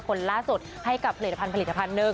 คนล่าสุดให้กับผลิตภัณฑ์๑